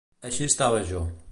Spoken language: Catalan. Així estava jo.